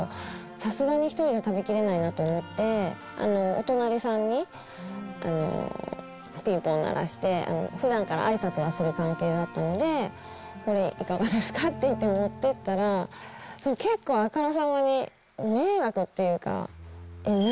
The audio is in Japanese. さすがに１人じゃ食べきれないなと思って、お隣さんに、ピンポン鳴らして、ふだんからあいさつはする関係だったので、これ、いかがですか？って言って持っていったら、結構、あからさまに迷惑っていうか、何？